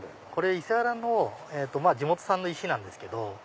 伊勢原の地元産の石なんです。